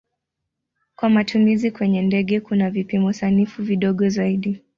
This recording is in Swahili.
Kwa matumizi kwenye ndege kuna vipimo sanifu vidogo zaidi.